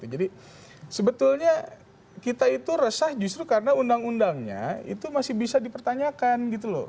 jadi sebetulnya kita itu resah justru karena undang undangnya itu masih bisa dipertanyakan